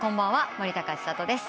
森高千里です。